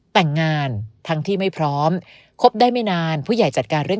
แต่งงานทั้งที่ไม่พร้อมคบได้ไม่นานผู้ใหญ่จัดการเรื่อง